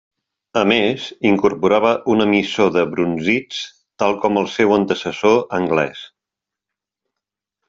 A més, incorporava un emissor de brunzits tal com el seu antecessor anglès.